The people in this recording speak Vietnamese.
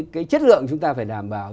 cái chất lượng chúng ta phải đảm bảo